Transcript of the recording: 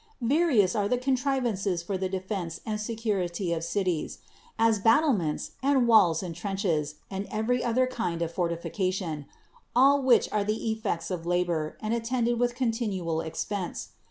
Various are the contrivances for the defense and security of cities: as battlements, and walls, and trenches, and every other kind of fortification ; all which are the effects of labor, and attended with continual expense.